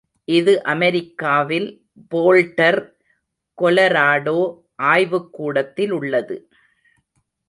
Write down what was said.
இது அமெரிக்காவில் Boulder Colorado ஆய்வுக் கூடத்திலுள்ளது.